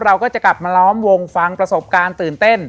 เราก็จะกลับมาล้อมวงฟังประสบการณ์ตื่นเต้น